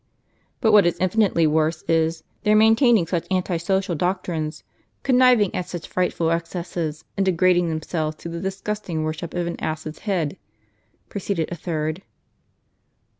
" But what is infinitely worse is, their maintaining such anti social doctrines, conniving at such frightful excesses, and degrading themselves to the disgusting worship of an ass's head," proceeded a third.